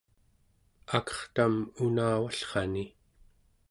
akertam unavallrani